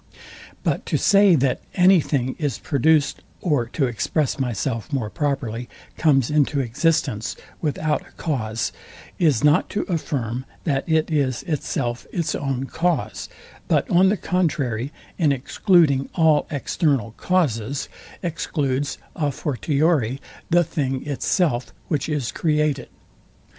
But to say that any thing is produced, or to express myself more properly, comes into existence, without a cause, is not to affirm, that it is itself its own cause; but on the contrary in excluding all external causes, excludes a fortiori the thing itself, which is created.